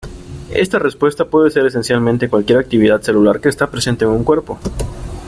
Esta respuesta puede ser esencialmente cualquier actividad celular que está presente en un cuerpo.